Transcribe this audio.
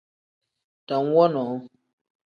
Dam wonoo.